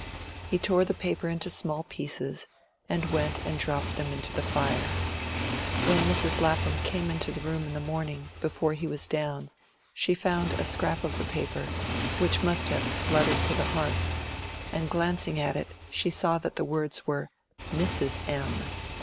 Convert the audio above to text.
He tore the paper into small pieces, and went and dropped them into the fire. When Mrs. Lapham came into the room in the morning, before he was down, she found a scrap of the paper, which must have fluttered to the hearth; and glancing at it she saw that the words were "Mrs. M."